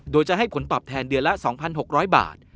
โดยจะให้ผลตอบแทนเดือนละ๒๖๐๐บาท